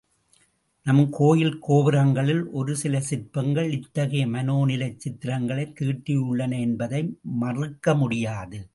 நம் கோயிற் கோபுரங்களில் ஒரு சில சிற்பங்கள் இத்தகைய மனோநிலைச் சித்திரங்களைத் தீட்டியுள்ளன என்பது மறுக்கமுடியாது.